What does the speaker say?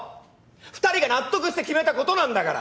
２人が納得して決めたことなんだから。